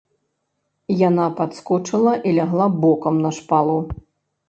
Яна падскочыла і лягла бокам на шпалу.